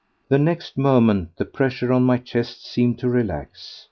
The next moment the pressure on my chest seemed to relax.